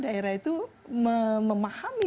daerah itu memahami